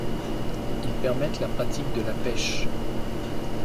Ils permettent la pratique de la pêche.